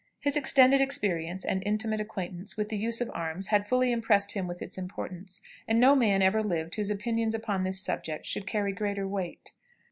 His extended experience and intimate acquaintance with the use of arms had fully impressed him with its importance, and no man ever lived whose opinions upon this subject should carry greater weight.